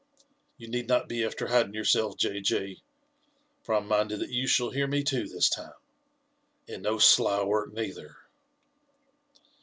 You need not be after hiding yourself, J. J. ; for I 'm minded that you shall hear me too this time, and no sly work neither."